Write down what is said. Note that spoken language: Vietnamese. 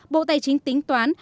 bộ tài chính tính toán